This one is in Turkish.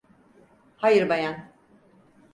Hayır bayan.